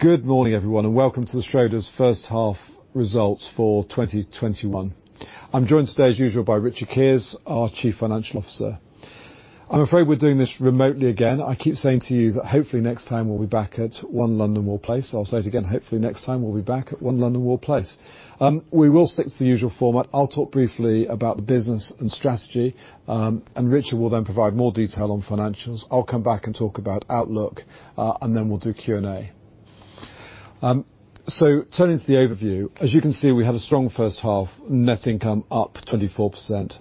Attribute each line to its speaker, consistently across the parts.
Speaker 1: Good morning, everyone, and welcome to the Schroders first half results for 2021. I'm joined today, as usual, by Richard Keers, our Chief Financial Officer. I'm afraid we're doing this remotely again. I keep saying to you that hopefully next time we'll be back at One London Wall Place. I'll say it again, hopefully next time we'll be back at One London Wall Place. We will stick to the usual format. I'll talk briefly about the business and strategy, and Richard will then provide more detail on financials. I'll come back and talk about outlook, and then we'll do Q&A. Turning to the overview, as you can see, we had a strong first half. Net income up 24%.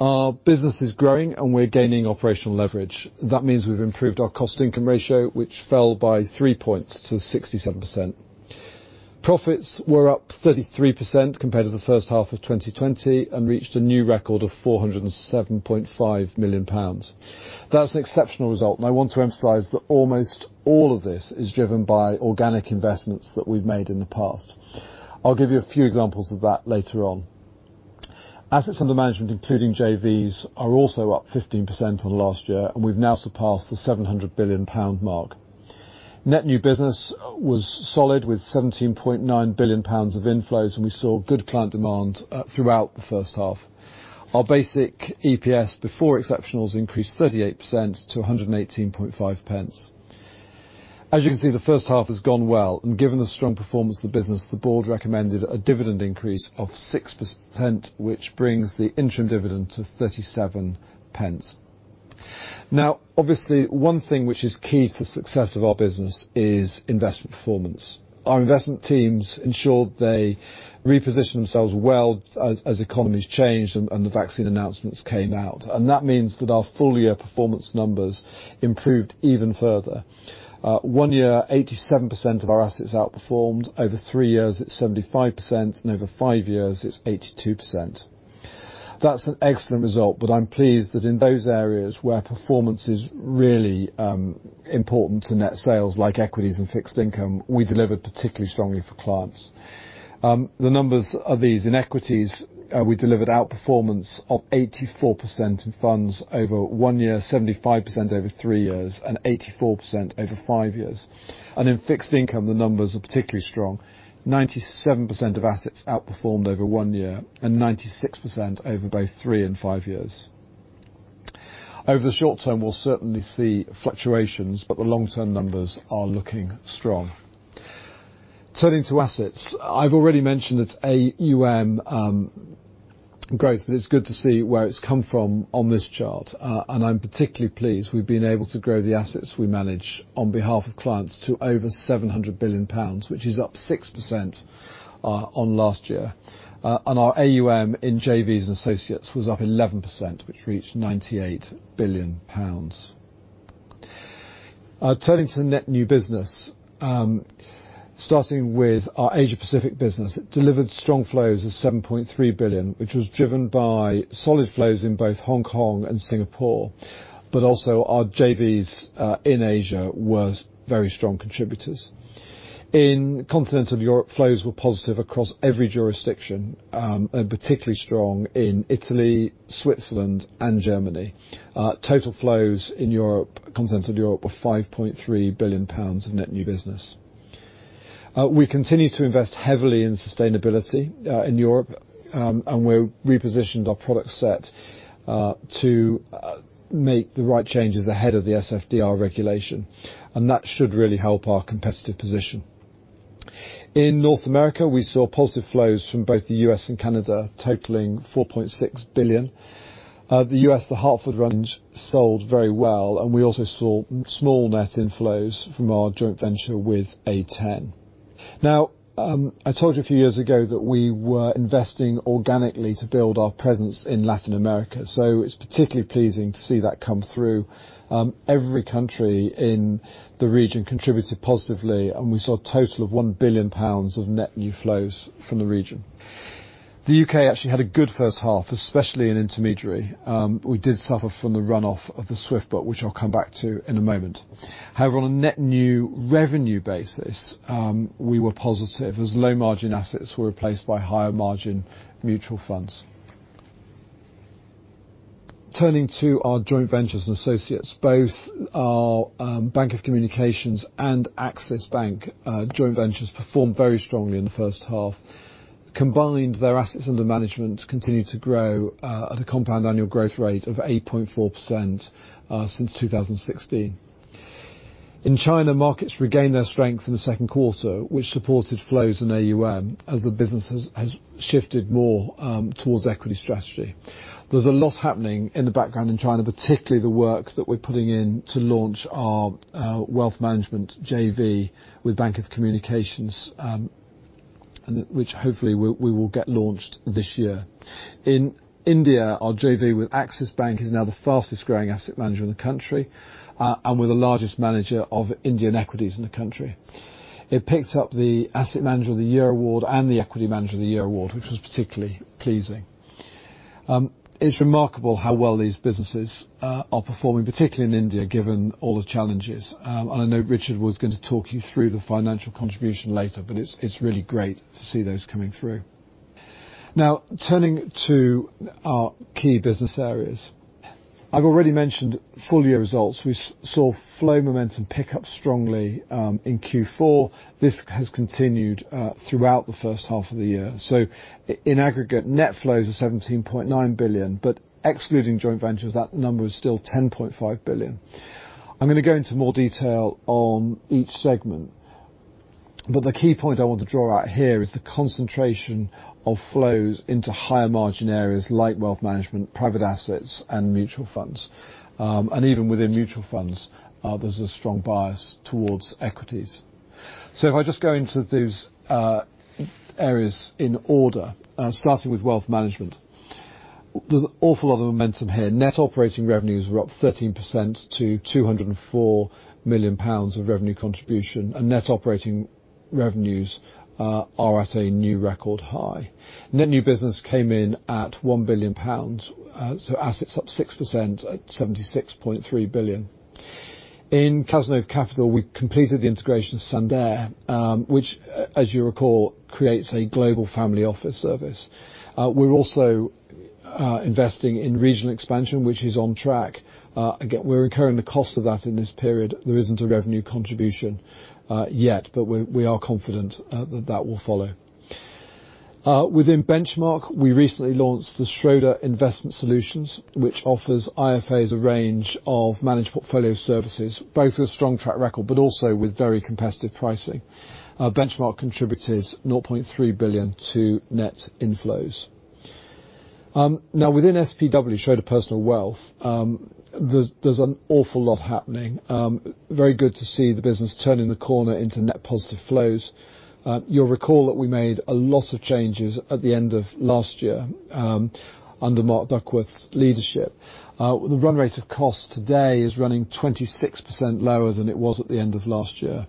Speaker 1: Our business is growing, and we're gaining operational leverage. That means we've improved our cost-income ratio, which fell by 3 points to 67%. Profits were up 33% compared to the first half of 2020 and reached a new record of 407.5 million pounds. That's an exceptional result, and I want to emphasize that almost all of this is driven by organic investments that we've made in the past. I'll give you a few examples of that later on. Assets under management, including JVs, are also up 15% on last year, and we've now surpassed the 700 billion pound mark. Net new business was solid, with 17.9 billion pounds of inflows, and we saw good client demand throughout the first half. Our basic EPS before exceptionals increased 38% to 118.5. As you can see, the first half has gone well, and given the strong performance of the business, the board recommended a dividend increase of 6%, which brings the interim dividend to 0.37. Obviously, One thing which is key to the success of our business is investment performance. Our investment teams ensured they repositioned themselves well as economies changed and the vaccine announcements came out, that means that our full-year performance numbers improved even further. 1 year, 87% of our assets outperformed. Over three years, it's 75%, over five years, it's 82%. That's an excellent result, I'm pleased that in those areas where performance is really important to net sales, like equities and fixed income, we delivered particularly strongly for clients. The numbers are these. In equities, we delivered outperformance of 84% in funds over one year, 75% over three years, 84% over five years. In fixed income, the numbers are particularly strong. 97% of assets outperformed over one year, 96% over both three and five years. Over the short term, we'll certainly see fluctuations, but the long-term numbers are looking strong. Turning to assets. I've already mentioned that AUM growth, and it's good to see where it's come from on this chart. I'm particularly pleased we've been able to grow the assets we manage on behalf of clients to over 700 billion pounds, which is up 6% on last year. Our AUM in JVs and associates was up 11%, which reached 98 billion pounds. Turning to the net new business. Starting with our Asia Pacific business. It delivered strong flows of 7.3 billion, which was driven by solid flows in both Hong Kong and Singapore. Also our JVs in Asia were very strong contributors. In Continental Europe, flows were positive across every jurisdiction, and particularly strong in Italy, Switzerland, and Germany. Total flows in Europe, Continental Europe, were 5.3 billion pounds of net new business. We continue to invest heavily in sustainability in Europe. We repositioned our product set to make the right changes ahead of the SFDR regulation. That should really help our competitive position. In North America, we saw positive flows from both the U.S. and Canada totaling 4.6 billion. The U.S., the Hartford range sold very well, and we also saw small net inflows from our joint venture with A10. Now, I told you a few years ago that we were investing organically to build our presence in Latin America, so it's particularly pleasing to see that come through. Every country in the region contributed positively, and we saw a total of 1 billion pounds of net new flows from the region. The U.K. actually had a good first half, especially in intermediary. We did suffer from the runoff of the SWIP book, which I'll come back to in a moment. On a net new revenue basis, we were positive as low-margin assets were replaced by higher margin mutual funds. Turning to our joint ventures and associates. Both our Bank of Communications and Axis Bank joint ventures performed very strongly in the first half. Combined, their assets under management continue to grow at a compound annual growth rate of 8.4% since 2016. In China, markets regained their strength in the second quarter, which supported flows in AUM as the business has shifted more towards equity strategy. There's a lot happening in the background in China, particularly the work that we're putting in to launch our wealth management JV with Bank of Communications, which hopefully we will get launched this year. In India, our JV with Axis Bank is now the fastest-growing asset manager in the country, and we're the largest manager of Indian equities in the country. It picked up the Asset Manager of the Year award and the Equity Manager of the Year award, which was particularly pleasing. It's remarkable how well these businesses are performing, particularly in India, given all the challenges. I know Richard was going to talk you through the financial contribution later, but it's really great to see those coming through. Now turning to our key business areas. I've already mentioned full year results. We saw flow momentum pick up strongly in Q4. This has continued throughout the first half of the year. In aggregate, net flows are 17.9 billion, but excluding joint ventures, that number is still 10.5 billion. I'm going to go into more detail on each segment, but the key point I want to draw out here is the concentration of flows into higher margin areas like wealth management, private assets, and mutual funds. Even within mutual funds, there's a strong bias towards equities. If I just go into those areas in order, starting with wealth management. There's an awful lot of momentum here. Net operating revenues were up 13% to 204 million pounds of revenue contribution, net operating revenues are at a new record high. Net new business came in at 1 billion pounds, assets up 6% at 76.3 billion. In Cazenove Capital, we completed the integration of Sandaire, which, as you recall, creates a global family office service. We're also investing in regional expansion, which is on track. Again, we're incurring the cost of that in this period. There isn't a revenue contribution yet, we are confident that will follow. Within Benchmark, we recently launched the Schroder Investment Solutions, which offers IFAs a range of managed portfolio services, both with a strong track record but also with very competitive pricing. Benchmark contributed 0.3 billion to net inflows. Within SPW, Schroders Personal Wealth, there's an awful lot happening. Very good to see the business turning the corner into net positive flows. You'll recall that we made a lot of changes at the end of last year under Mark Duckworth's leadership. The run rate of cost today is running 26% lower than it was at the end of last year.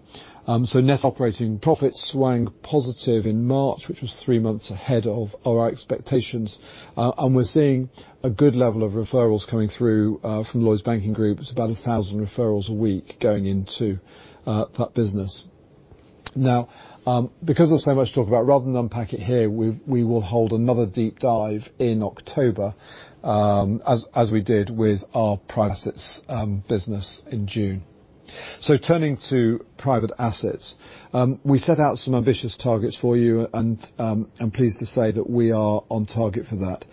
Speaker 1: Net operating profits swung positive in March, which was three months ahead of our expectations. We're seeing a good level of referrals coming through from Lloyds Banking Group. It's about 1,000 referrals a week going into that business. Because there's so much to talk about, rather than unpack it here, we will hold another deep dive in October, as we did with our private assets business in June. Turning to private assets. We set out some ambitious targets for you, and I'm pleased to say that we are on target for that.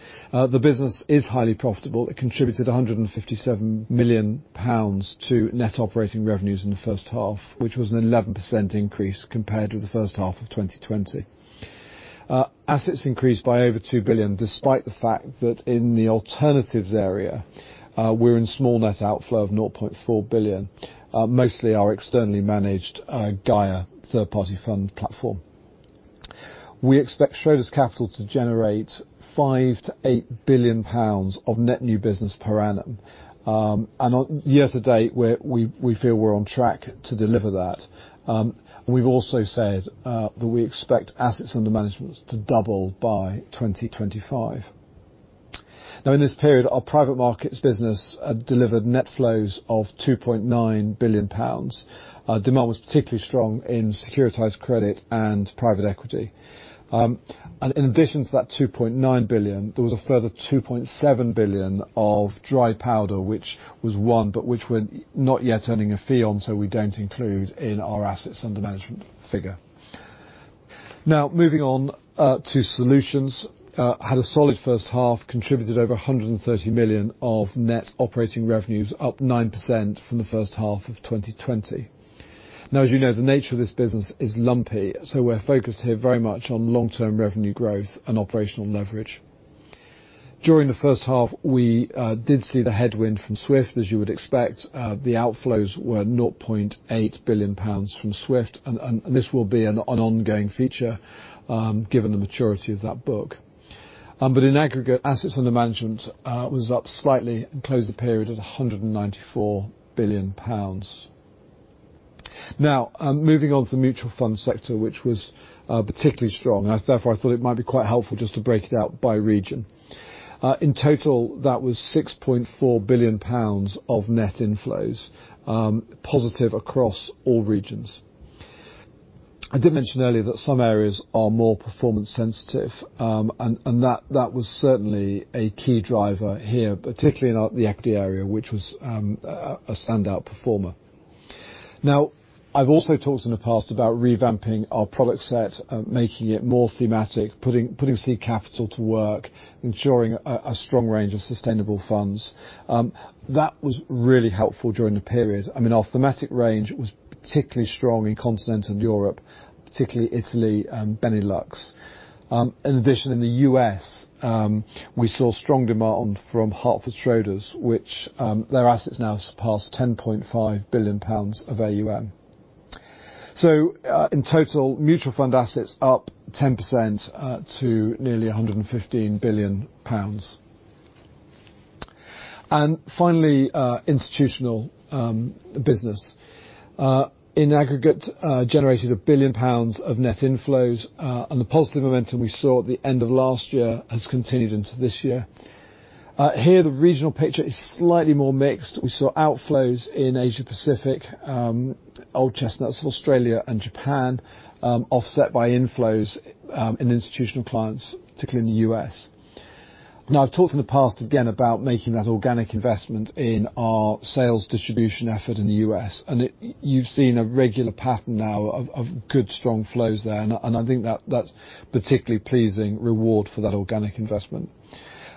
Speaker 1: The business is highly profitable. It contributed 157 million pounds to net operating revenues in the first half, which was an 11% increase compared with the first half of 2020. Assets increased by over 2 billion, despite the fact that in the alternatives area, we're in small net outflow of 0.4 billion, mostly our externally managed GAIA third-party fund platform. We expect Schroders Capital to generate 5 billion-8 billion pounds of net new business per annum. Year to date, we feel we're on track to deliver that. We've also said that we expect assets under management to double by 2025. In this period, our private markets business delivered net flows of 2.9 billion pounds. Demand was particularly strong in securitized credit and private equity. In addition to that 2.9 billion, there was a further 2.7 billion of dry powder, which was won, but which we're not yet earning a fee on, so we don't include in our assets under management figure. Moving on to solutions. Had a solid first half, contributed over 130 million of net operating revenues, up 9% from the first half of 2020. As you know, the nature of this business is lumpy, we're focused here very much on long-term revenue growth and operational leverage. During the first half, we did see the headwind from SWIP, as you would expect. The outflows were 0.8 billion pounds from SWIP. This will be an ongoing feature given the maturity of that book. In aggregate, assets under management was up slightly and closed the period at 194 billion pounds. Moving on to the mutual fund sector, which was particularly strong. I thought it might be quite helpful just to break it out by region. In total, that was 6.4 billion pounds of net inflows, positive across all regions. I did mention earlier that some areas are more performance sensitive. That was certainly a key driver here, particularly in the equity area, which was a standout performer. I've also talked in the past about revamping our product set, making it more thematic, putting seed capital to work, ensuring a strong range of sustainable funds. That was really helpful during the period. Our thematic range was particularly strong in continental Europe, particularly Italy and Benelux. In the U.S., we saw strong demand from Hartford Schroders, which their assets now surpass 10.5 billion pounds of AUM. In total, mutual fund assets up 10% to nearly 115 billion pounds. Finally, institutional business. In aggregate, generated 1 billion pounds of net inflows, and the positive momentum we saw at the end of last year has continued into this year. Here, the regional picture is slightly more mixed. We saw outflows in Asia-Pacific, old chestnuts, Australia and Japan, offset by inflows in institutional clients, particularly in the U.S. I've talked in the past again about making that organic investment in our sales distribution effort in the U.S., and you've seen a regular pattern now of good strong flows there, and I think that's particularly pleasing reward for that organic investment.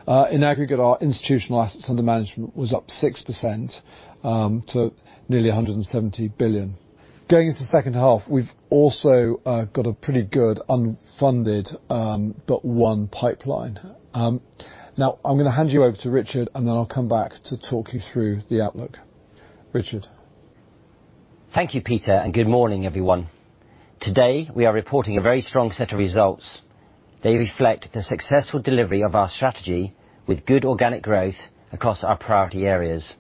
Speaker 1: In aggregate, our institutional assets under management was up 6% to nearly 170 billion. Going into the second half, we've also got a pretty good unfunded but one pipeline. I'm going to hand you over to Richard, and then I'll come back to talk you through the outlook. Richard.
Speaker 2: Thank you, Peter. Good morning, everyone. Today, we are reporting a very strong set of results. They reflect the successful delivery of our strategy with good organic growth across our priority areas.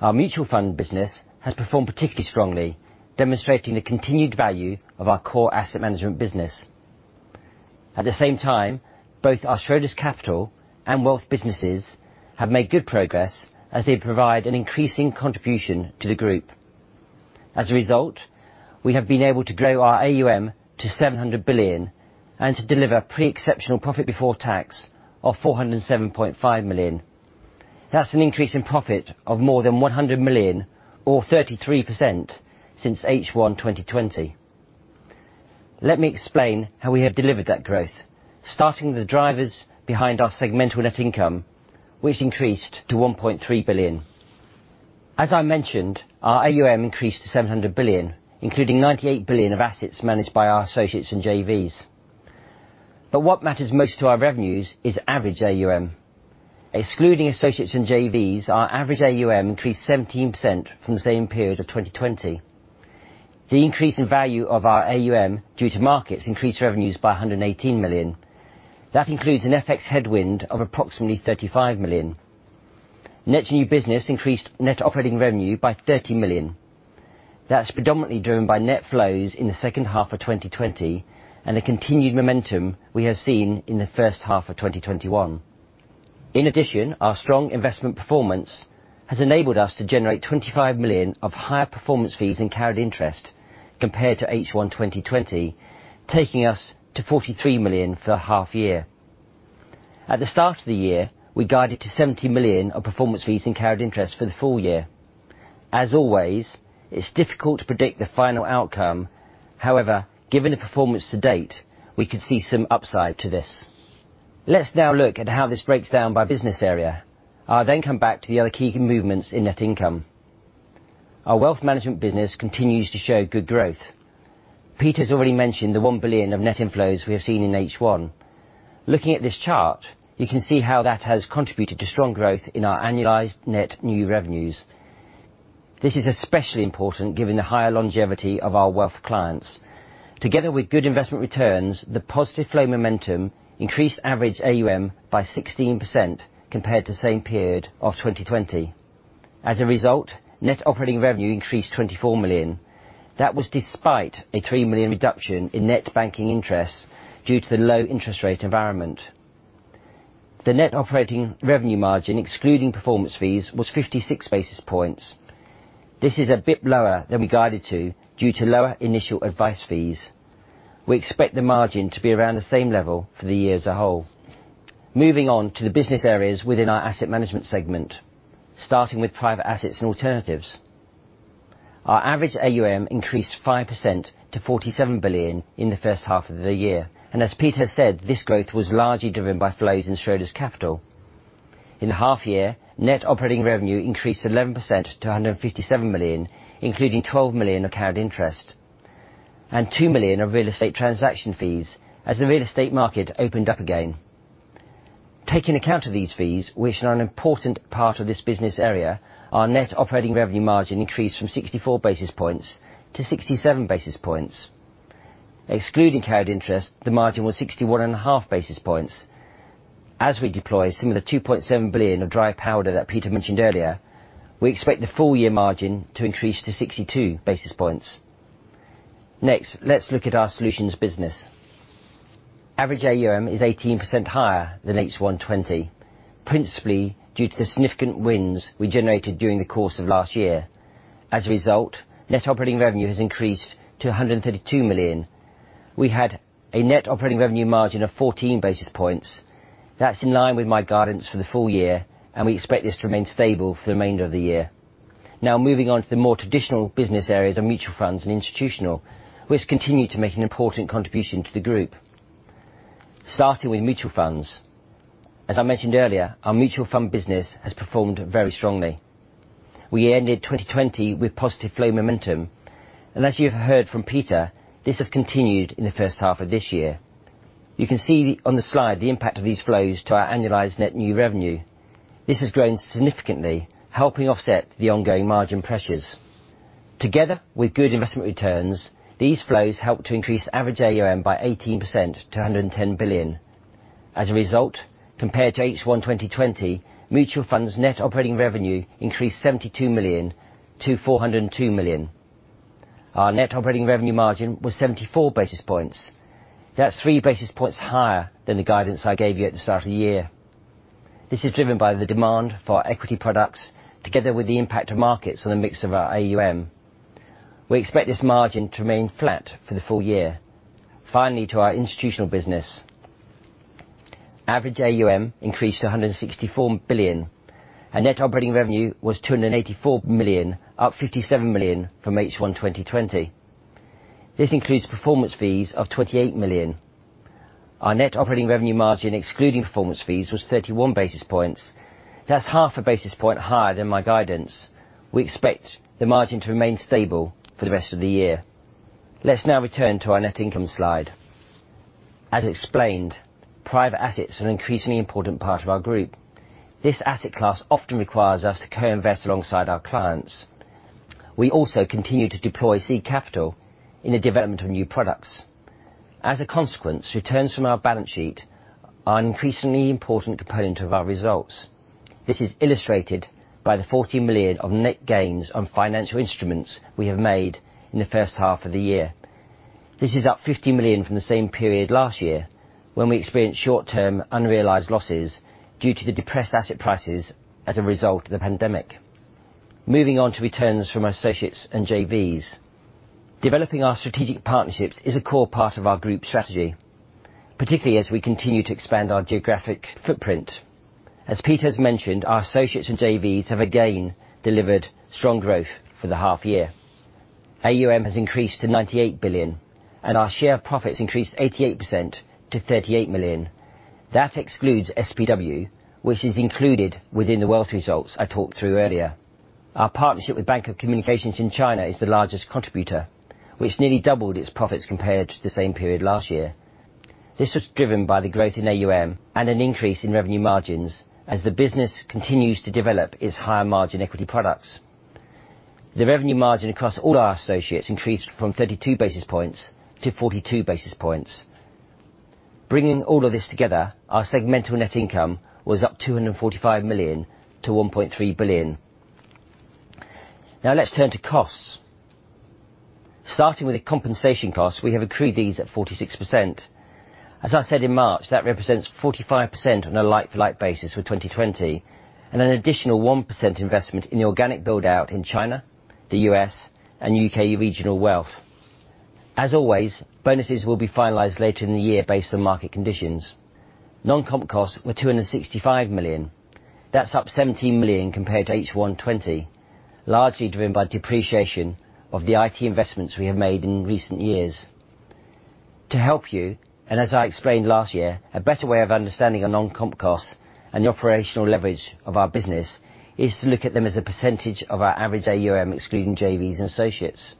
Speaker 2: Our mutual fund business has performed particularly strongly, demonstrating the continued value of our core asset management business. At the same time, both our Schroders Capital and Wealth businesses have made good progress as they provide an increasing contribution to the group. As a result, we have been able to grow our AUM to 700 billion and to deliver pre-exceptional profit before tax of 407.5 million. That's an increase in profit of more than 100 million or 33% since H1 2020. Let me explain how we have delivered that growth, starting with the drivers behind our segmental net income, which increased to 1.3 billion. As I mentioned, our AUM increased to 700 billion, including 98 billion of assets managed by our associates and JVs. What matters most to our revenues is average AUM. Excluding associates and JVs, our average AUM increased 17% from the same period of 2020. The increase in value of our AUM due to markets increased revenues by 118 million. That includes an FX headwind of approximately 35 million. Net new business increased net operating revenue by 30 million. That's predominantly driven by net flows in the second half of 2020 and the continued momentum we have seen in the first half of 2021. In addition, our strong investment performance has enabled us to generate 25 million of higher performance fees and carried interest compared to H1 2020, taking us to 43 million for the half year. At the start of the year, we guided to 70 million of performance fees and carried interest for the full year. As always, it is difficult to predict the final outcome. Given the performance to date, we could see some upside to this. Let's now look at how this breaks down by business area. I'll then come back to the other key movements in net income. Our wealth management business continues to show good growth. Peter's already mentioned the 1 billion of net inflows we have seen in H1. Looking at this chart, you can see how that has contributed to strong growth in our annualized net new revenues. This is especially important given the higher longevity of our wealth clients. Together with good investment returns, the positive flow momentum increased average AUM by 16% compared to the same period of 2020. As a result, net operating revenue increased 24 million. That was despite a 3 million reduction in net banking interest due to the low-interest rate environment. The net operating revenue margin excluding performance fees was 56 basis points. This is a bit lower than we guided to due to lower initial advice fees. We expect the margin to be around the same level for the year as a whole. Moving on to the business areas within our asset management segment, starting with private assets and alternatives. Our average AUM increased 5% to 47 billion in the first half of the year. As Peter said, this growth was largely driven by flows in Schroders Capital. In the half year, net operating revenue increased 11% to 157 million, including 12 million of carried interest and 2 million of real estate transaction fees as the real estate market opened up again. Taking account of these fees, which are an important part of this business area, our net operating revenue margin increased from 64 basis points to 67 basis points. Excluding carried interest, the margin was 61.5 basis points. As we deploy some of the 2.7 billion of dry powder that Peter mentioned earlier, we expect the full-year margin to increase to 62 basis points. Let's look at our solutions business. Average AUM is 18% higher than H1 2020, principally due to the significant wins we generated during the course of last year. Net operating revenue has increased to 132 million. We had a net operating revenue margin of 14 basis points. That's in line with my guidance for the full year. We expect this to remain stable for the remainder of the year. Moving on to the more traditional business areas of mutual funds and institutional, which continue to make an important contribution to the group. Starting with mutual funds. As I mentioned earlier, our mutual fund business has performed very strongly. We ended 2020 with positive flow momentum. As you have heard from Peter, this has continued in the first half of this year. You can see on the slide the impact of these flows to our annualized net new revenue. This has grown significantly, helping offset the ongoing margin pressures. Together with good investment returns, these flows help to increase average AUM by 18% to 110 billion. As a result, compared to H1 2020, mutual funds net operating revenue increased 72 million to 402 million. Our net operating revenue margin was 74 basis points. That's 3 basis points higher than the guidance I gave you at the start of the year. This is driven by the demand for our equity products together with the impact of markets on the mix of our AUM. We expect this margin to remain flat for the full year. Finally, to our institutional business. Average AUM increased to 164 billion, net operating revenue was 284 million, up 57 million from H1 2020. This includes performance fees of 28 million. Our net operating revenue margin, excluding performance fees, was 31 basis points. That's half a basis point higher than my guidance. We expect the margin to remain stable for the rest of the year. Let's now return to our net income slide. As explained, private assets are an increasingly important part of our group. This asset class often requires us to co-invest alongside our clients. We also continue to deploy seed capital in the development of new products. As a consequence, returns from our balance sheet are an increasingly important component of our results. This is illustrated by the 40 million of net gains on financial instruments we have made in the first half of the year. This is up 50 million from the same period last year, when we experienced short-term unrealized losses due to the depressed asset prices as a result of the pandemic. Moving on to returns from our associates and JVs. Developing our strategic partnerships is a core part of our group strategy, particularly as we continue to expand our geographic footprint. As Peter has mentioned, our associates and JVs have again delivered strong growth for the half year. AUM has increased to 98 billion, and our share of profits increased 88% to 38 million. That excludes SPW, which is included within the wealth results I talked through earlier. Our partnership with Bank of Communications in China is the largest contributor, which nearly doubled its profits compared to the same period last year. This was driven by the growth in AUM and an increase in revenue margins as the business continues to develop its higher margin equity products. The revenue margin across all our associates increased from 32 basis points to 42 basis points. Bringing all of this together, our segmental net income was up 245 million to 1.3 billion. Let's turn to costs. Starting with the compensation costs, we have accrued these at 46%. As I said in March, that represents 45% on a like-for-like basis with 2020 and an additional 1% investment in the organic build-out in China, the U.S., and U.K. regional wealth. As always, bonuses will be finalized later in the year based on market conditions. Non-comp costs were 265 million. That's up 17 million compared to H1 2020, largely driven by depreciation of the IT investments we have made in recent years. To help you, as I explained last year, a better way of understanding our non-comp costs and the operational leverage of our business is to look at them as a percentage of our average AUM, excluding JVs and associates.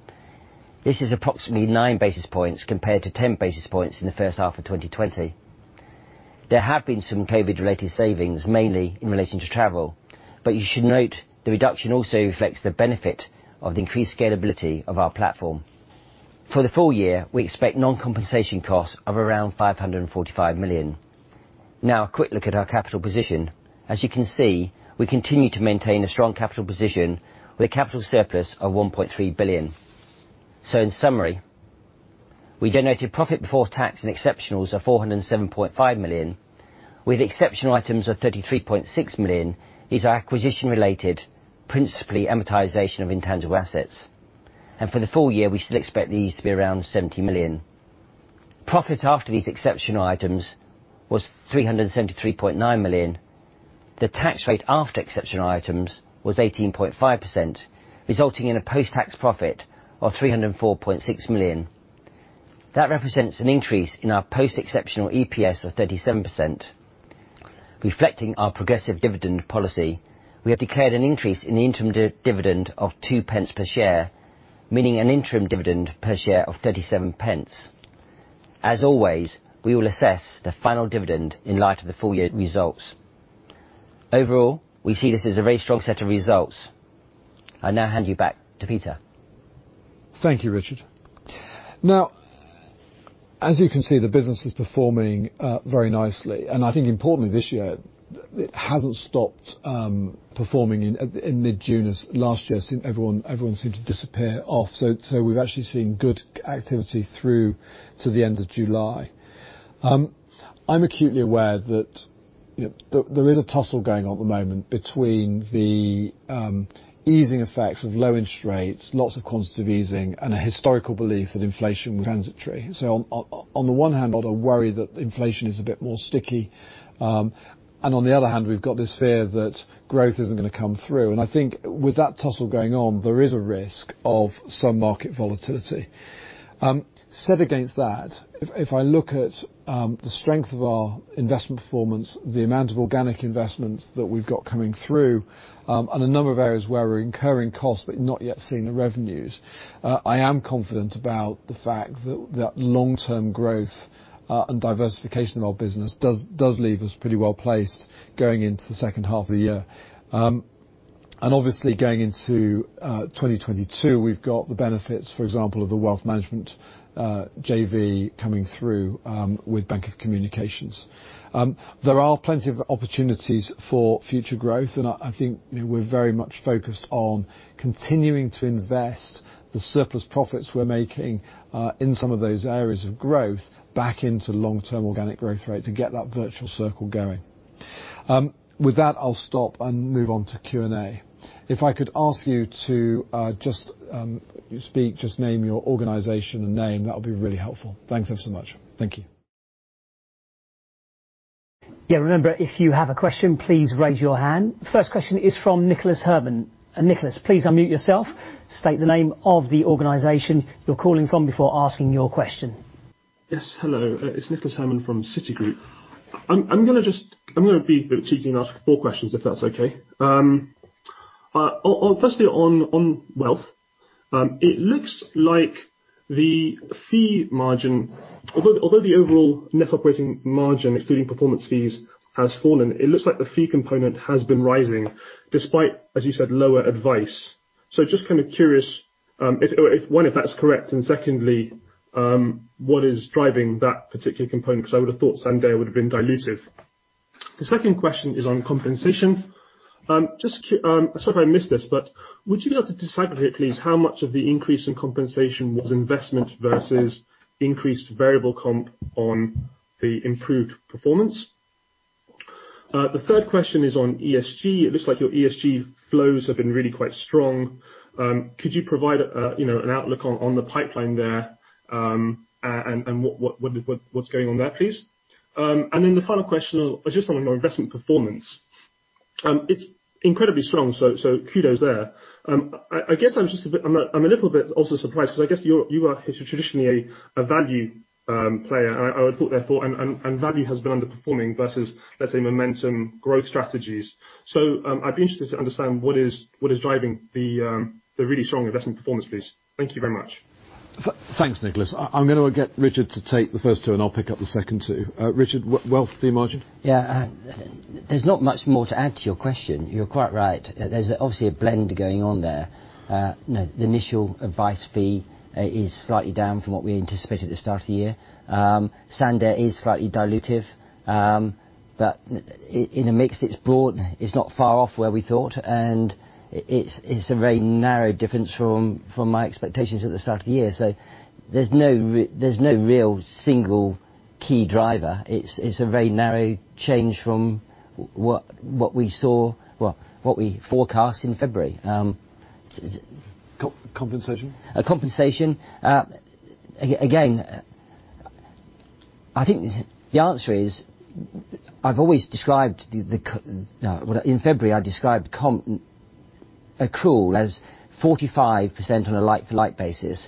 Speaker 2: This is approximately 9 basis points compared to 10 basis points in the first half of 2020. There have been some COVID-related savings, mainly in relation to travel. You should note the reduction also reflects the benefit of the increased scalability of our platform. For the full year, we expect non-compensation costs of around 545 million. A quick look at our capital position. As you can see, we continue to maintain a strong capital position with a capital surplus of 1.3 billion. In summary, we generated profit before tax and exceptionals of 407.5 million, with exceptional items of 33.6 million is our acquisition-related, principally amortization of intangible assets. For the full year, we still expect these to be around 70 million. Profit after these exceptional items was 373.9 million. The tax rate after exceptional items was 18.5%, resulting in a post-tax profit of 304.6 million. That represents an increase in our post-exceptional EPS of 37%. Reflecting our progressive dividend policy, we have declared an increase in the interim dividend of 0.02 per share, meaning an interim dividend per share of 0.37. As always, we will assess the final dividend in light of the full-year results. Overall, we see this as a very strong set of results. I now hand you back to Peter.
Speaker 1: Thank you, Richard. As you can see, the business is performing very nicely, and I think importantly this year, it hasn't stopped performing in mid-June as last year everyone seemed to disappear off. We've actually seen good activity through to the end of July. I'm acutely aware that there is a tussle going on at the moment between the easing effects of low interest rates, lots of quantitative easing, and a historical belief that inflation transitory. On the one hand, a lot of worry that inflation is a bit more sticky. On the other hand, we've got this fear that growth isn't going to come through. I think with that tussle going on, there is a risk of some market volatility. Set against that, if I look at the strength of our investment performance, the amount of organic investment that we've got coming through, and a number of areas where we're incurring costs but not yet seeing the revenues, I am confident about the fact that long-term growth and diversification of our business does leave us pretty well placed going into the second half of the year. Obviously going into 2022, we've got the benefits, for example, of the wealth management JV coming through with Bank of Communications. There are plenty of opportunities for future growth, and I think we're very much focused on continuing to invest the surplus profits we're making in some of those areas of growth back into long-term organic growth rate to get that virtual circle going. With that, I'll stop and move on to Q&A. If I could ask you to just speak, just name your organization and name, that would be really helpful. Thanks ever so much. Thank you.
Speaker 3: Yeah, remember, if you have a question, please raise your hand. First question is from Nicholas Herman. Nicholas, please unmute yourself, state the name of the organization you're calling from before asking your question.
Speaker 4: Yes. Hello. It's Nicholas Herman from Citigroup. I'm going to be a bit cheeky and ask four questions, if that's okay. On wealth, it looks like the fee margin, although the overall net operating margin excluding performance fees has fallen, it looks like the fee component has been rising despite, as you said, lower advice. Just kind of curious, one, if that's correct, and secondly, what is driving that particular component? I would have thought Sandaire would have been dilutive. The second question is on compensation. Sorry if I missed this, would you be able to disaggregate, please, how much of the increase in compensation was investment versus increased variable comp on the improved performance? The third question is on ESG. It looks like your ESG flows have been really quite strong. Could you provide an outlook on the pipeline there, and what's going on there, please? The final question is just on your investment performance. It's incredibly strong, so kudos there. I guess I'm a little bit also surprised because I guess you are traditionally a value player, and I would thought therefore, and value has been underperforming versus, let's say, momentum growth strategies. I'd be interested to understand what is driving the really strong investment performance, please. Thank you very much.
Speaker 1: Thanks, Nicholas. I'm going to get Richard to take the first two, and I'll pick up the second two. Richard, wealth fee margin?
Speaker 2: There's not much more to add to your question. You're quite right. There's obviously a blend going on there. The initial advice fee is slightly down from what we anticipated at the start of the year. Sandaire is slightly dilutive. In the mix, it's broad. It's not far off where we thought, and it's a very narrow difference from my expectations at the start of the year. There's no real single key driver. It's a very narrow change from what we saw, well, what we forecast in February.
Speaker 1: Compensation?
Speaker 2: Compensation. Again, I think the answer is, in February I described accrual as 45% on a like-to-like basis.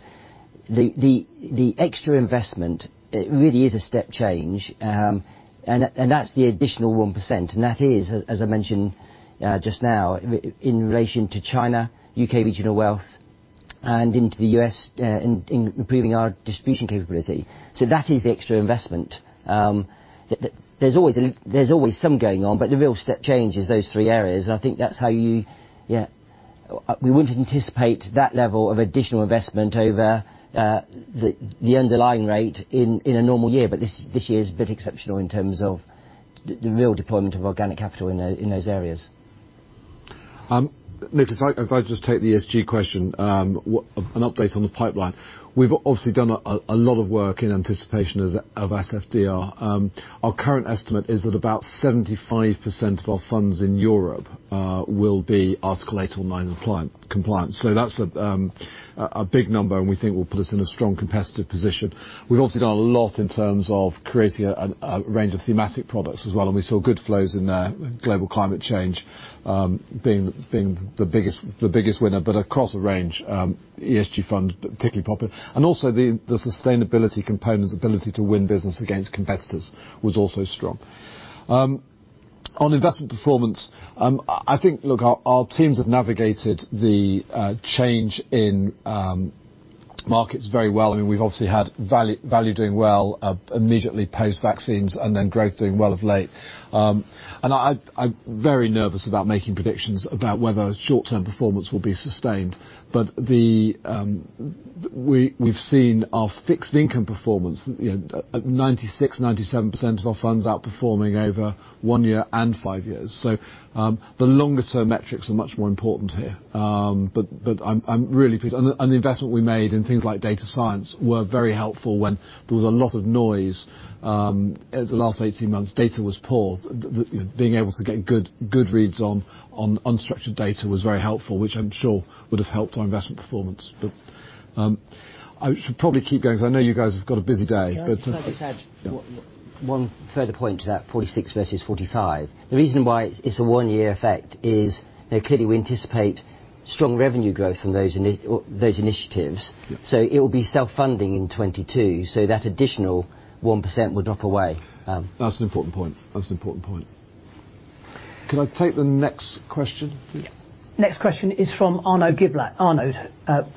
Speaker 2: The extra investment really is a step change, and that's the additional 1%. That is, as I mentioned just now, in relation to China, U.K. Regional Wealth, and into the U.S. in improving our distribution capability. That is the extra investment. There's always some going on, but the real step change is those three areas. We wouldn't anticipate that level of additional investment over the underlying rate in a normal year. This year is a bit exceptional in terms of the real deployment of organic capital in those areas.
Speaker 1: Nicholas, if I just take the ESG question, an update on the pipeline. We've obviously done a lot of work in anticipation of SFDR. Our current estimate is that about 75% of our funds in Europe will be Article 8 or 9 compliant. That's a big number, and we think will put us in a strong competitive position. We've also done a lot in terms of creating a range of thematic products as well, and we saw good flows in the global climate change being the biggest winner. Across the range, ESG funds particularly popular. Also, the sustainability component's ability to win business against competitors was also strong. On investment performance, I think, look, our teams have navigated the change in markets very well. I mean, we've obviously had value doing well immediately post-vaccines and then growth doing well of late. I'm very nervous about making predictions about whether short-term performance will be sustained. We've seen our fixed income performance at 96%, 97% of our funds outperforming over one year and five years. The longer-term metrics are much more important here. I'm really pleased. The investment we made in things like data science were very helpful when there was a lot of noise the last 18 months. Data was poor. Being able to get good reads on unstructured data was very helpful, which I'm sure would have helped our investment performance. I should probably keep going because I know you guys have got a busy day.
Speaker 2: Can I just add one further point to that 46 versus 45. The reason why it's a one-year effect is clearly we anticipate strong revenue growth from those initiatives.
Speaker 1: Yeah.
Speaker 2: It will be self-funding in 2022, so that additional 1% will drop away.
Speaker 1: That's an important point. Can I take the next question, please?
Speaker 3: Next question is from Arnaud Giblat. Arnaud,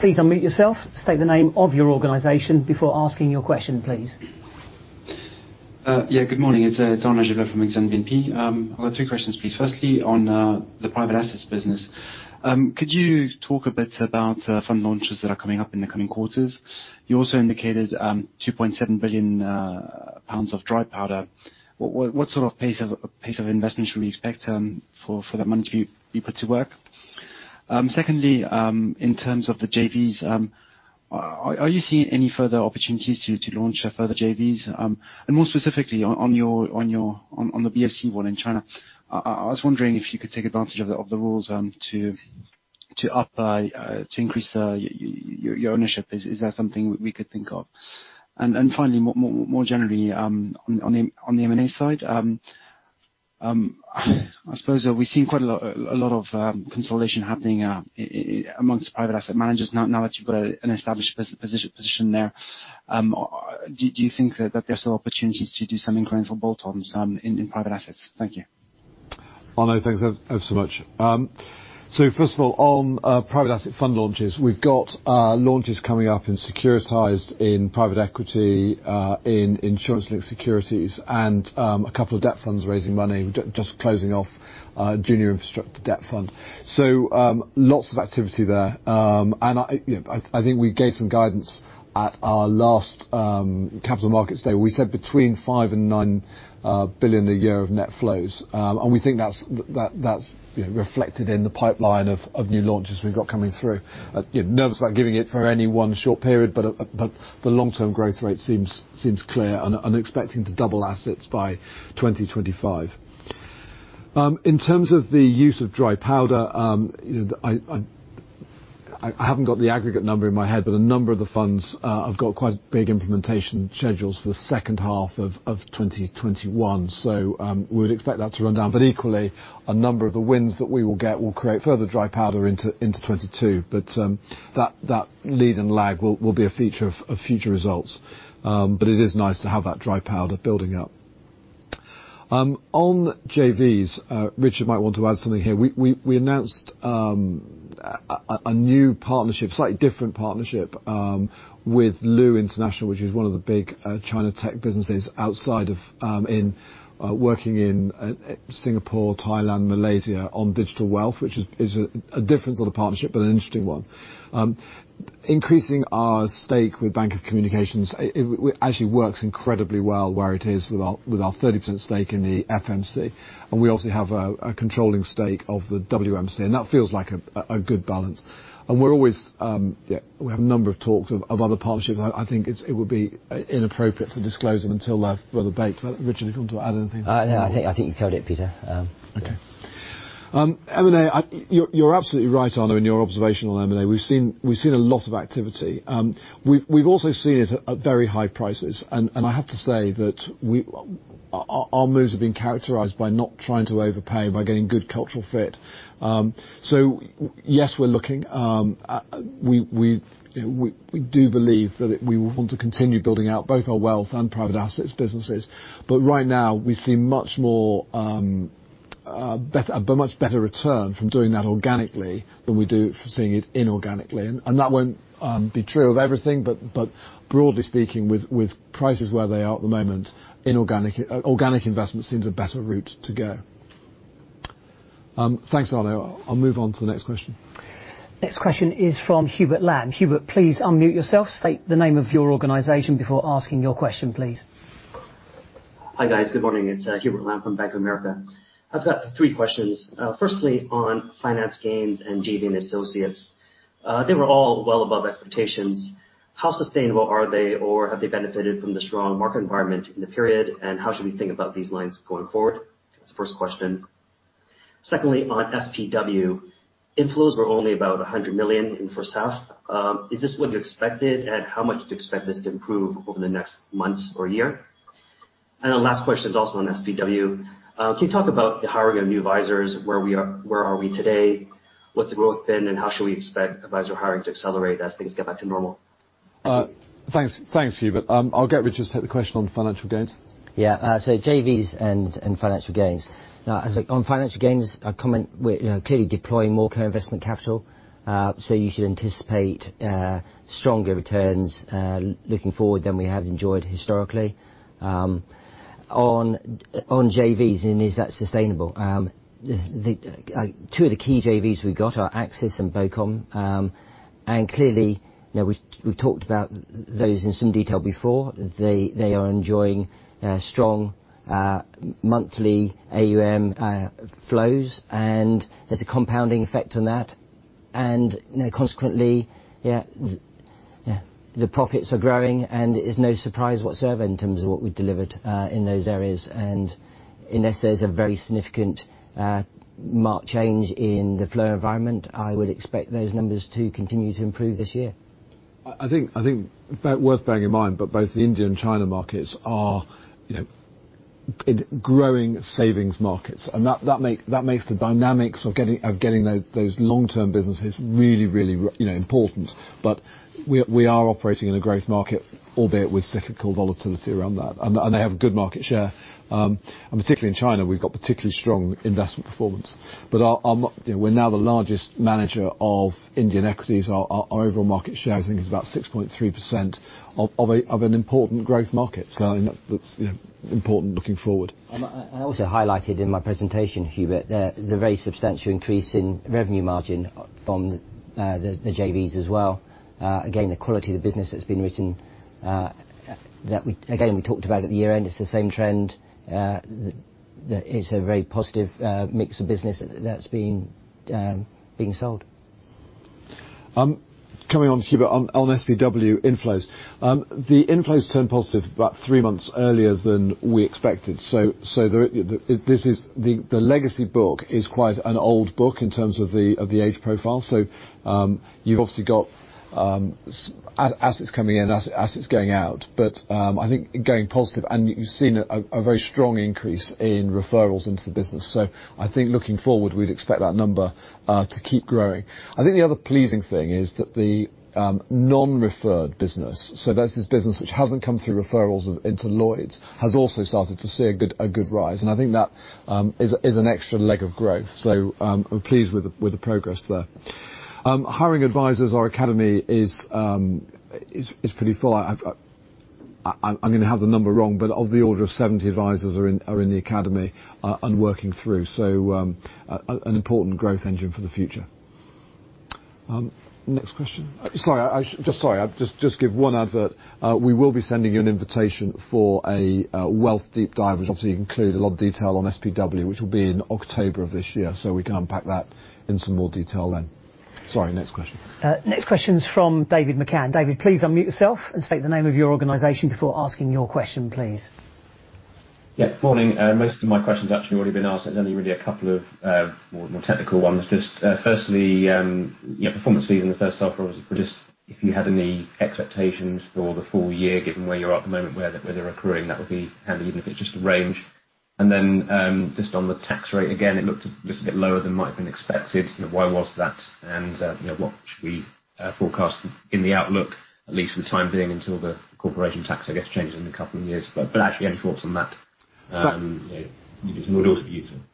Speaker 3: please unmute yourself, state the name of your organization before asking your question, please.
Speaker 5: Yeah. Good morning. It's Arnaud Giblat from Exane BNP Paribas. I've got three questions, please. Firstly, on the private assets business. Could you talk a bit about fund launches that are coming up in the coming quarters? You also indicated 2.7 billion pounds of dry powder. What sort of pace of investments should we expect for that money to be put to work? Secondly, in terms of the JVs, are you seeing any further opportunities to launch further JVs? More specifically, on the BOCOM one in China, I was wondering if you could take advantage of the rules to increase your ownership. Is that something we could think of? Finally, more generally, on the M&A side, I suppose that we've seen quite a lot of consolidation happening amongst private asset managers. Now that you've got an established position there, do you think that there are still opportunities to do some incremental bolt-ons in private assets? Thank you.
Speaker 1: Arnaud, thanks ever so much. First of all, on private asset fund launches. We've got launches coming up in securitized, in private equity, in insurance-linked securities, and a couple of debt funds raising money. We're just closing off a junior infrastructure debt fund. Lots of activity there. I think we gave some guidance at our last capital markets day, where we said between 5 billion and 9 billion a year of net flows. We think that's reflected in the pipeline of new launches we've got coming through. Nervous about giving it for any one short period, but the long-term growth rate seems clear, and expecting to double assets by 2025. In terms of the use of dry powder, I haven't got the aggregate number in my head, but a number of the funds have got quite big implementation schedules for the second half of 2021. We would expect that to run down. Equally, a number of the wins that we will get will create further dry powder into 2022. That lead and lag will be a feature of future results. It is nice to have that dry powder building up. On JVs, Richard might want to add something here. We announced a new partnership, slightly different partnership, with Lu International, which is one of the big China tech businesses outside of working in Singapore, Thailand, Malaysia on digital wealth, which is a different sort of partnership, but an interesting one. Increasing our stake with Bank of Communications. It actually works incredibly well where it is with our 30% stake in the FMC. We also have a controlling stake of the WMC, and that feels like a good balance. We have a number of talks of other partnerships. I think it would be inappropriate to disclose them until they're further baked. Richard, you want to add anything?
Speaker 2: No, I think you've killed it, Peter.
Speaker 1: M&A. You're absolutely right, Arnaud, in your observation on M&A. We've seen a lot of activity. We've also seen it at very high prices. I have to say that our moves have been characterized by not trying to overpay, by getting good cultural fit. Yes, we're looking. We do believe that we want to continue building out both our wealth and private assets businesses. Right now, we see a much better return from doing that organically, than we do from seeing it inorganically. That won't be true of everything. Broadly speaking, with prices where they are at the moment, organic investment seems a better route to go. Thanks, Arnaud. I'll move on to the next question.
Speaker 3: Next question is from Hubert Lam. Hubert, please unmute yourself. State the name of your organization before asking your question, please.
Speaker 6: Hi, guys. Good morning. It's Hubert Lam from Bank of America. I've got three questions. Firstly, on finance gains and JV and associates. They were all well above expectations. How sustainable are they, or have they benefited from the strong market environment in the period? How should we think about these lines going forward? That's the first question. Secondly, on SPW. Inflows were only about 100 million in first half. Is this what you expected, and how much do you expect this to improve over the next months or year? The last question is also on SPW. Can you talk about the hiring of new advisers, where are we today? What's the growth been, and how should we expect adviser hiring to accelerate as things get back to normal?
Speaker 1: Thanks, Hubert. I'll get Richard to take the question on financial gains.
Speaker 2: JVs and financial gains. On financial gains, I comment we're clearly deploying more co-investment capital. You should anticipate stronger returns looking forward than we have enjoyed historically. On JVs, is that sustainable? Two of the key JVs we've got are Axis and BOCOM, clearly, we've talked about those in some detail before. They are enjoying strong monthly AUM flows, there's a compounding effect on that. Consequently, the profits are growing, and it is no surprise whatsoever in terms of what we delivered in those areas. Unless there's a very significant marked change in the flow environment, I would expect those numbers to continue to improve this year.
Speaker 1: I think worth bearing in mind, both the India and China markets are in growing savings markets. That makes the dynamics of getting those long-term businesses really important. We are operating in a growth market, albeit with cyclical volatility around that. They have good market share. Particularly in China, we've got particularly strong investment performance. We're now the largest manager of Indian equities. Our overall market share, I think, is about 6.3% of an important growth market. That's important looking forward.
Speaker 2: I also highlighted in my presentation, Hubert, the very substantial increase in revenue margin from the JVs as well. Again, the quality of the business that's been written, again, we talked about at the year-end. It's the same trend. It's a very positive mix of business that's being sold.
Speaker 1: Coming on, Hubert, on SPW inflows. The inflows turned positive about three months earlier than we expected. The legacy book is quite an old book in terms of the age profile. You've obviously got assets coming in, assets going out. I think going positive, and you've seen a very strong increase in referrals into the business. I think looking forward, we'd expect that number to keep growing. I think the other pleasing thing is that the non-referred business, so that's this business which hasn't come through referrals into Lloyds Banking Group, has also started to see a good rise. I think that is an extra leg of growth. I'm pleased with the progress there. Hiring advisors, our academy is pretty full. I'm going to have the number wrong, but of the order of 70 advisors are in the academy and working through. An important growth engine for the future. Next question. Sorry, I'll just give one advert. We will be sending you an invitation for a wealth deep dive, which obviously include a lot of detail on SPW, which will be in October of this year. We can unpack that in some more detail then. Sorry, next question.
Speaker 3: Next question is from David McCann. David, please unmute yourself and state the name of your organization before asking your question, please.
Speaker 7: Yeah, morning. Most of my questions have actually already been asked. There's only really a couple of more technical ones. Just firstly, performance fees in the first half were just if you had any expectations for the full year, given where you're at the moment, whether accruing, that would be handy, even if it's just a range. Just on the tax rate, again, it looked a little bit lower than might have been expected and why was that? What should we forecast in the outlook, at least for the time being, until the corporation tax, I guess, changes in a couple of years? Actually, any thoughts on that?
Speaker 1: That-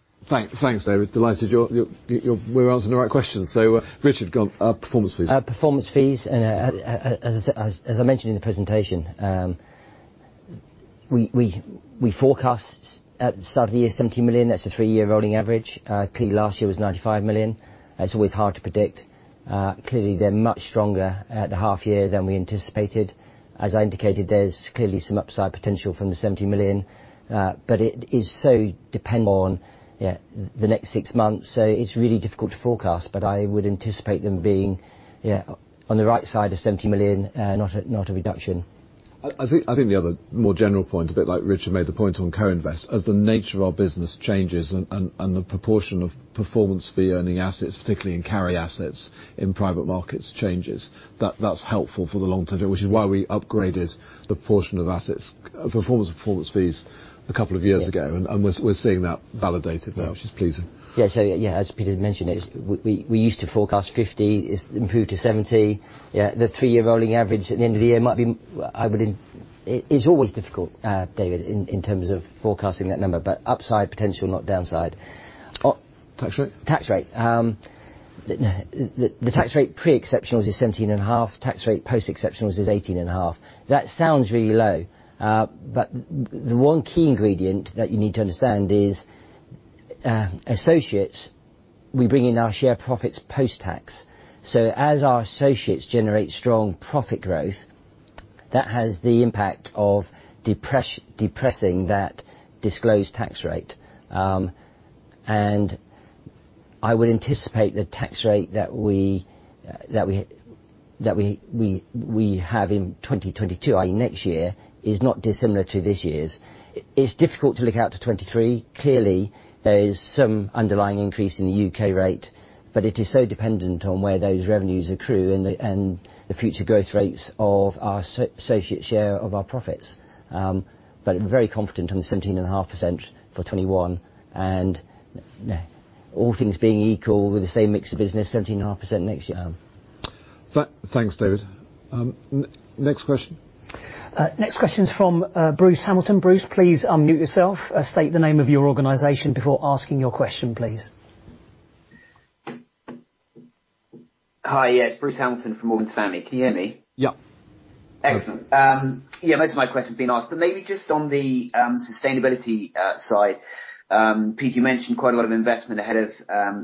Speaker 1: Thanks, David. Delighted we're asking the right questions. Richard, go on, performance fees.
Speaker 2: Performance fees, as I mentioned in the presentation, we forecast at the start of the year, 70 million. That's a three-year rolling average. Clearly last year was 95 million. It's always hard to predict. Clearly, they're much stronger at the half year than we anticipated. As I indicated, there's clearly some upside potential from the 70 million. It so depends on the next six months. It's really difficult to forecast, but I would anticipate them being on the right side of 70 million, not a reduction.
Speaker 1: I think the other more general point, a bit like Richard made the point on co-invest, as the nature of our business changes and the proportion of performance fee earning assets, particularly in carry assets in private markets changes. That's helpful for the long-term, which is why we upgraded the portion of assets, performance of performance fees a couple of years ago.
Speaker 2: Yeah.
Speaker 1: We're seeing that validated now, which is pleasing.
Speaker 2: As Peter mentioned, we used to forecast 50 million. It's improved to 70 million. The three-year rolling average at the end of the year might be. It's always difficult, David, in terms of forecasting that number, but upside potential, not downside.
Speaker 1: Tax rate?
Speaker 2: Tax rate. The tax rate pre-exceptional is 17.5%. Tax rate post-exceptional is 18.5%. That sounds really low. The one key ingredient that you need to understand is, associates, we bring in our share profits post-tax. As our associates generate strong profit growth, that has the impact of depressing that disclosed tax rate. I would anticipate the tax rate that we have in 2022, i.e., next year, is not dissimilar to this year's. It's difficult to look out to 2023. There's some underlying increase in the U.K. rate, but it is so dependent on where those revenues accrue and the future growth rates of our associate share of our profits. Very confident on the 17.5% for 2021. All things being equal, with the same mix of business, 17.5% next year.
Speaker 1: Thanks, David. Next question.
Speaker 3: Next question's from Bruce Hamilton. Bruce, please unmute yourself, state the name of your organization before asking your question, please.
Speaker 8: Hi, yes, Bruce Hamilton from Morgan Stanley. Can you hear me?
Speaker 1: Yeah.
Speaker 8: Excellent. Yeah, most of my question's been asked. Maybe just on the sustainability side. Pete, you mentioned quite a lot of investment ahead of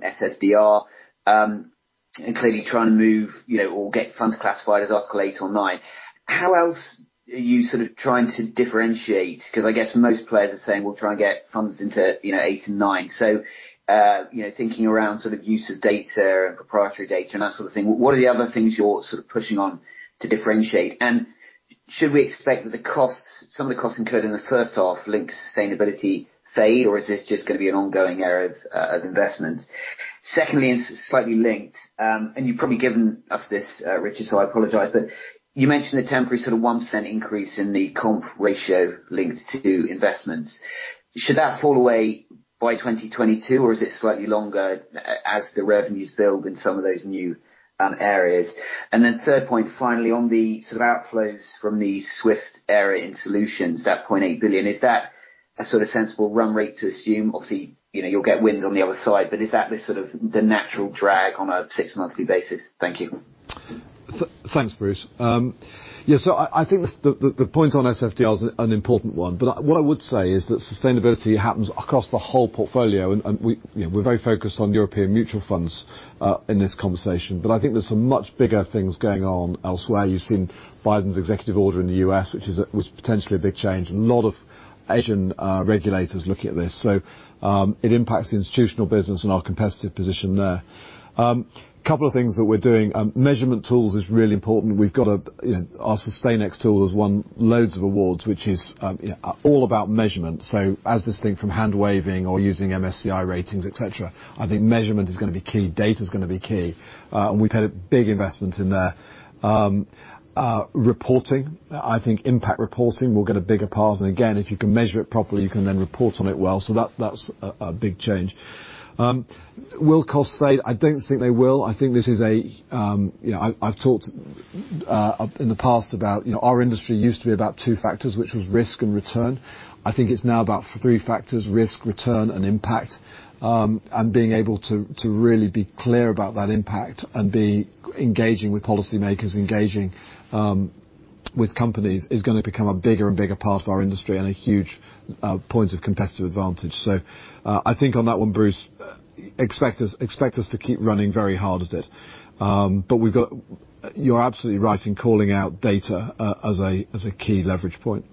Speaker 8: SFDR. Clearly trying to move or get funds classified as Article 8 or 9. How else are you sort of trying to differentiate? I guess most players are saying, well, try and get funds into 8 and 9. Thinking around use of data and proprietary data and that sort of thing, what are the other things you're pushing on to differentiate? Should we expect that some of the costs incurred in the first half linked to sustainability fade, or is this just going to be an ongoing area of investment? Secondly, and slightly linked, and you've probably given us this, Richard, so I apologize, but you mentioned the temporary 1% increase in the comp ratio linked to investments. Should that fall away by 2022, or is it slightly longer as the revenues build in some of those new areas? Third point, finally, on the outflows from the SWIP area in solutions, that 0.8 billion, is that a sensible run rate to assume? Obviously, you'll get wins on the other side, but is that the natural drag on a six-monthly basis? Thank you.
Speaker 1: Thanks, Bruce. Yeah. What I would say is that sustainability happens across the whole portfolio, and we're very focused on European mutual funds in this conversation. I think there's some much bigger things going on elsewhere. You've seen Biden's executive order in the U.S., which was potentially a big change, and a lot of Asian regulators are looking at this. It impacts the institutional business and our competitive position there. Couple of things that we're doing. Measurement tools is really important. Our SustainEx tool has won loads of awards, which is all about measurement. As this thing from hand waving or using MSCI ratings, et cetera, I think measurement is going to be key. Data's going to be key. We've had a big investment in there. Reporting, I think impact reporting will get a bigger part. Again, if you can measure it properly, you can then report on it well. That's a big change. Will costs stay? I don't think they will. I've talked in the past about our industry used to be about two factors, which was risk and return. I think it's now about three factors, risk, return, and impact. Being able to really be clear about that impact and be engaging with policymakers, engaging with companies is going to become a bigger and bigger part of our industry and a huge point of competitive advantage. I think on that one, Bruce, expect us to keep running very hard at it. You're absolutely right in calling out data as a key leverage point.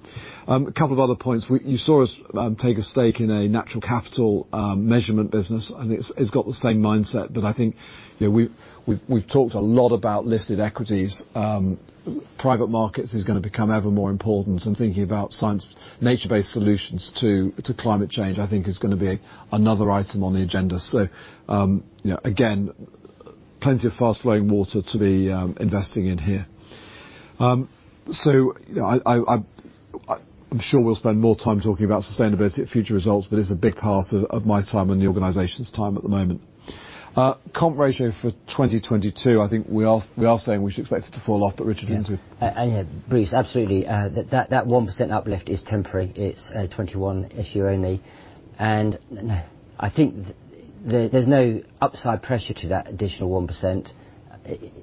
Speaker 1: A couple of other points. You saw us take a stake in a natural capital measurement business, and it's got the same mindset. I think we've talked a lot about listed equities. Private markets is going to become ever more important and thinking about nature-based solutions to climate change, I think is going to be another item on the agenda. Again, plenty of fast-flowing water to be investing in here. I'm sure we'll spend more time talking about sustainability at future results, but it's a big part of my time and the organization's time at the moment. Comp ratio for 2022, I think we are saying we should expect it to fall off. Richard can too.
Speaker 2: Yeah. Bruce, absolutely. That 1% uplift is temporary. It's a 2021 issue only. I think there's no upside pressure to that additional 1%.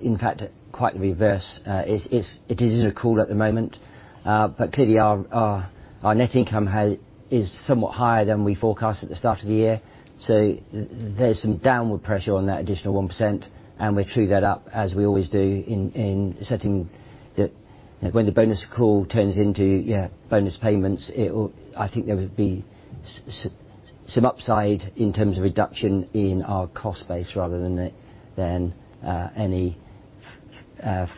Speaker 2: In fact, quite the reverse. It is in a call at the moment. Clearly our net income is somewhat higher than we forecast at the start of the year. There's some downward pressure on that additional 1%, and we true that up as we always do in setting when the bonus call turns into bonus payments. I think there would be some upside in terms of reduction in our cost base rather than any further pressure on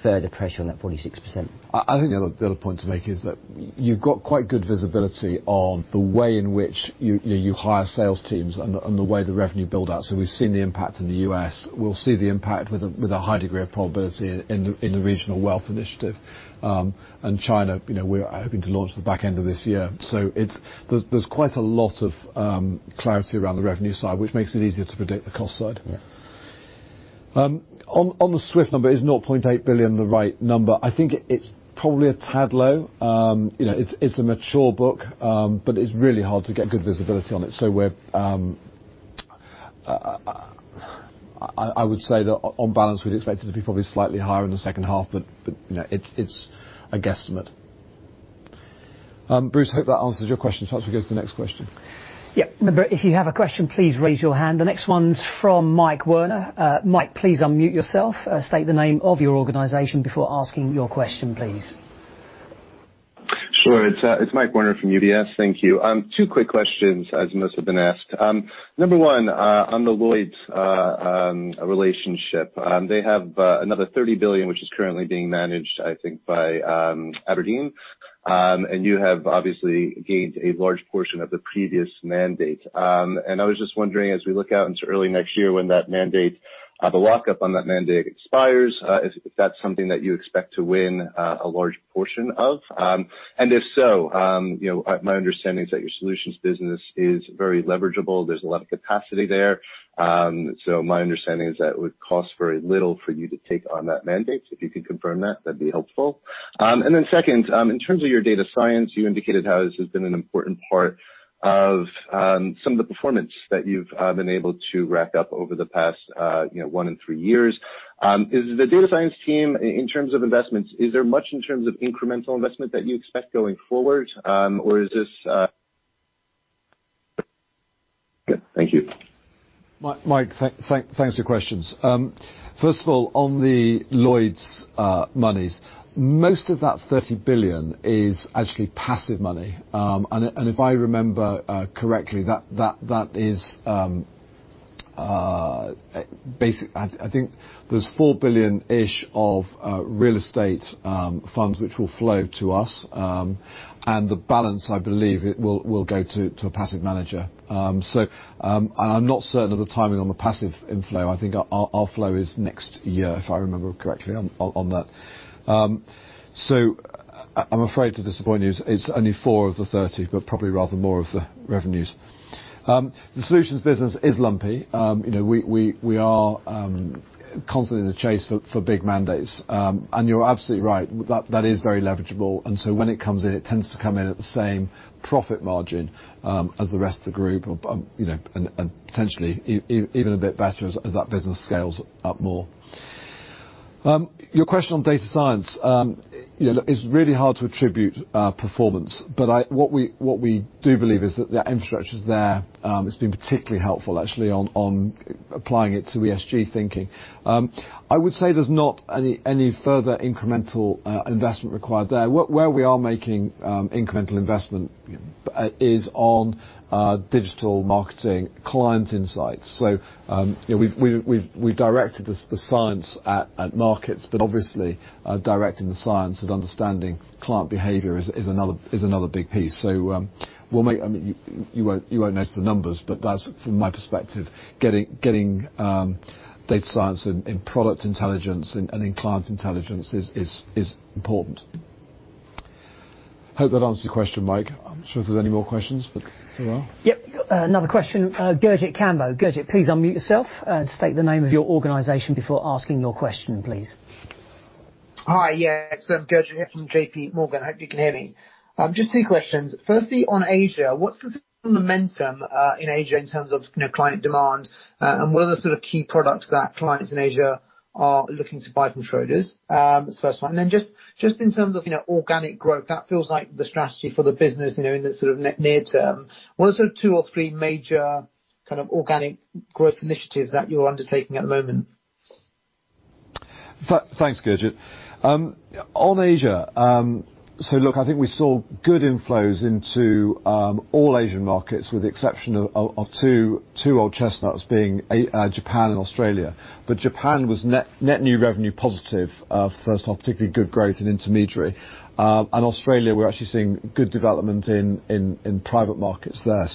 Speaker 2: that 46%.
Speaker 1: I think the other point to make is that you've got quite good visibility on the way in which you hire sales teams and the way the revenue build out. We've seen the impact in the U.S. We'll see the impact with a high degree of probability in the Regional Wealth Initiative. China, we're hoping to launch the back end of this year. There's quite a lot of clarity around the revenue side, which makes it easier to predict the cost side.
Speaker 2: Yeah.
Speaker 1: On the SWIP number, is not 0.8 billion the right number? I think it's probably a tad low. It's a mature book, but it's really hard to get good visibility on it. I would say that on balance, we'd expect it to be probably slightly higher in the second half, but it's a guesstimate. Bruce, hope that answers your question. Perhaps we go to the next question.
Speaker 3: Yeah. Remember, if you have a question, please raise your hand. The next one's from Michael Werner. Mike, please unmute yourself, state the name of your organization before asking your question, please.
Speaker 9: Sure. It's Michael Werner from UBS. Thank you. Two quick questions, as most have been asked. Number one, on the Lloyds's relationship. They have another 30 billion, which is currently being managed, I think, by Aberdeen. You have obviously gained a large portion of the previous mandate. I was just wondering, as we look out into early next year when the lockup on that mandate expires, if that's something that you expect to win a large portion of. If so, my understanding is that your solutions business is very leverageable. There's a lot of capacity there. My understanding is that it would cost very little for you to take on that mandate. If you could confirm that'd be helpful. Second, in terms of your data science, you indicated how this has been an important part of some of the performance that you've been able to rack up over the past one and three years. Is the data science team, in terms of investments, is there much in terms of incremental investment that you expect going forward? Good. Thank you.
Speaker 1: Mike, thanks for your questions. First of all, on the Lloyds monies, most of that 30 billion is actually passive money. If I remember correctly, I think there's 4 billion-ish of real estate funds which will flow to us. The balance, I believe, will go to a passive manager. I'm not certain of the timing on the passive inflow. I think our outflow is next year, if I remember correctly on that. I'm afraid to disappoint you. It's only 4 billion of the 30 billion, but probably rather more of the revenues. The solutions business is lumpy. We are constantly in the chase for big mandates. You're absolutely right, that is very leverageable. When it comes in, it tends to come in at the same profit margin as the rest of the group, and potentially even a bit better as that business scales up more. Your question on data science. It's really hard to attribute performance, but what we do believe is that the infrastructure's there. It's been particularly helpful, actually, on applying it to ESG thinking. I would say there's not any further incremental investment required there. Where we are making incremental investment is on digital marketing client insights. We've directed the science at markets, but obviously, directing the science at understanding client behavior is another big piece. You won't notice the numbers, but that's from my perspective, getting data science in product intelligence and in client intelligence is important. Hope that answers your question, Mike. I'm not sure if there's any more questions, but there are.
Speaker 3: Yep. Another question. Gurjit Kambo. Gurjit, please unmute yourself and state the name of your organization before asking your question, please.
Speaker 10: Hi. Yes, it's Gurjit here from JPMorgan. Hope you can hear me. Just 2 questions. Firstly, on Asia. What's the momentum in Asia in terms of client demand? What are the sort of key products that clients in Asia are looking to buy from Schroders? That's the first one. Just in terms of organic growth, that feels like the strategy for the business in the near term. What are sort of two or three major organic growth initiatives that you're undertaking at the moment?
Speaker 1: Thanks, Gurjit. On Asia, I think we saw good inflows into all Asian markets with the exception of two old chestnuts being Japan and Australia. Japan was net new revenue positive. First off, particularly good growth in intermediary. Australia, we're actually seeing good development in private markets there.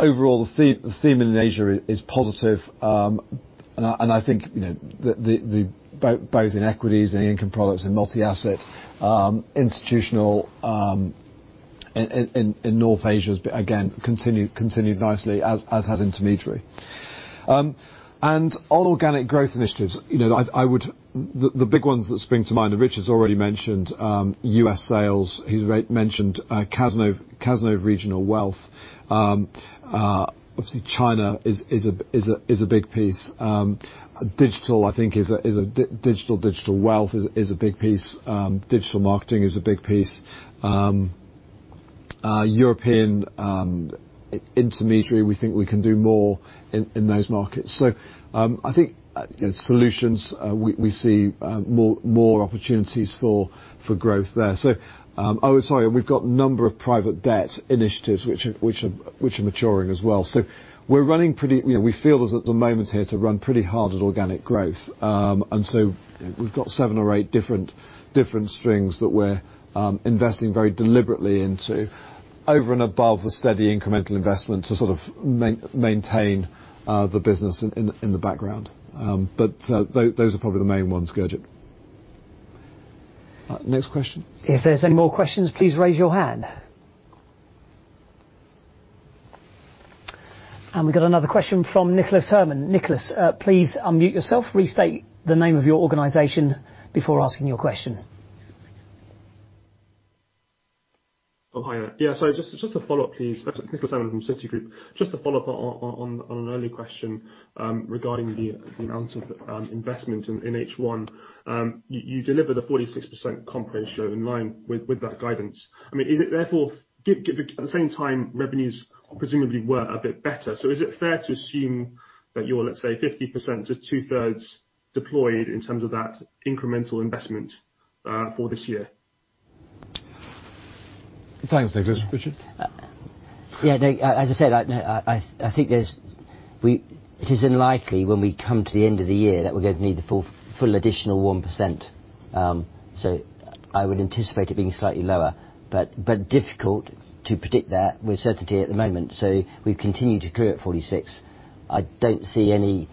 Speaker 1: Overall, the theme in Asia is positive. I think both in equities and income products and multi-asset institutional in North Asia, again, continued nicely as has intermediary. On organic growth initiatives, the big ones that spring to mind, Richard's already mentioned U.S. sales. He's mentioned Cazenove regional wealth. Obviously, China is a big piece. Digital wealth is a big piece. Digital marketing is a big piece. European intermediary, we think we can do more in those markets. I think in solutions, we see more opportunities for growth there. Sorry, we've got a number of private debt initiatives which are maturing as well. We feel as if at the moment here to run pretty hard at organic growth. We've got seven or eight different strings that we're investing very deliberately into, over and above the steady incremental investment to sort of maintain the business in the background. Those are probably the main ones, Gurjit. Next question.
Speaker 3: If there's any more questions, please raise your hand. We got another question from Nicholas Herman. Nicholas, please unmute yourself, restate the name of your organization before asking your question.
Speaker 4: Oh, hi there. Yeah, just to follow up, please. Nicholas Herman from Citigroup. Just to follow up on an earlier question regarding the amount of investment in H1. You delivered a 46% comp ratio in line with that guidance. At the same time, revenues presumably were a bit better. Is it fair to assume that you're, let's say, 50% to two thirds deployed in terms of that incremental investment for this year?
Speaker 1: Thanks, Nicholas. Richard?
Speaker 2: As I said, it is unlikely when we come to the end of the year that we're going to need the full additional 1%. I would anticipate it being slightly lower, but difficult to predict that with certainty at the moment. We continue to accrue at 46%. I don't see any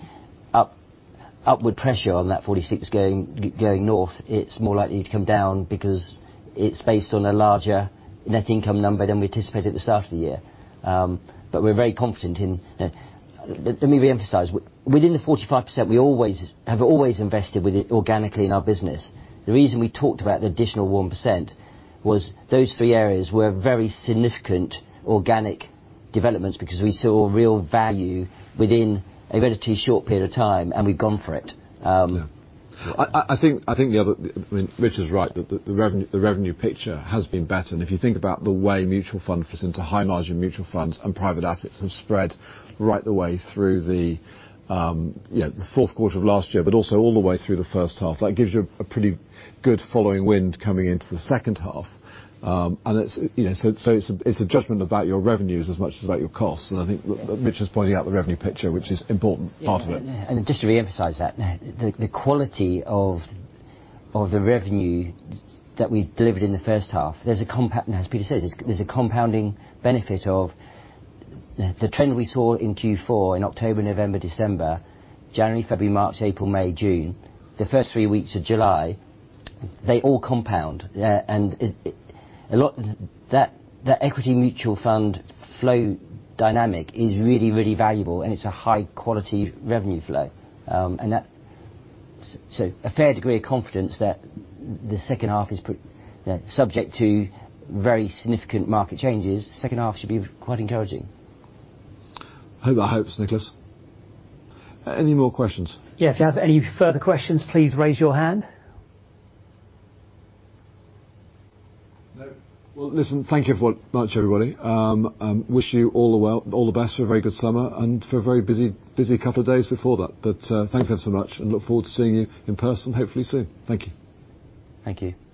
Speaker 2: upward pressure on that 46% going north. It's more likely to come down because it's based on a larger net income number than we anticipated at the start of the year. Let me reemphasize. Within the 45%, we have always invested with it organically in our business. The reason we talked about the additional 1% was those three areas were very significant organic developments because we saw real value within a relatively short period of time, and we'd gone for it.
Speaker 1: Yeah. I think Richard's right. The revenue picture has been better. If you think about the way mutual funds into high margin mutual funds and private assets have spread right the way through the fourth quarter of last year, but also all the way through the first half. That gives you a pretty good following wind coming into the second half. It's a judgment about your revenues as much as about your costs, and I think Richard's pointing out the revenue picture, which is important part of it.
Speaker 2: Yeah. Just to reemphasize that. The quality of the revenue that we delivered in the first half, as Peter says, there's a compounding benefit of the trend we saw in Q4 in October, November, December. January, February, March, April, May, June. The first three weeks of July. They all compound. The equity mutual fund flow dynamic is really, really valuable, and it's a high-quality revenue flow. A fair degree of confidence that the second half is subject to very significant market changes. Second half should be quite encouraging.
Speaker 1: Hope that helps, Nicholas. Any more questions?
Speaker 3: Yeah, if you have any further questions, please raise your hand.
Speaker 1: No. Well, listen, thank you very much, everybody. Wish you all the best for a very good summer and for a very busy couple of days before that. Thanks ever so much and look forward to seeing you in person hopefully soon. Thank you.
Speaker 2: Thank you.